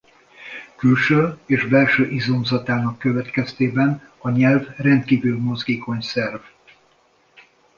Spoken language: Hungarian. Külső és belső izomzatának következtében a nyelv rendkívül mozgékony szerv.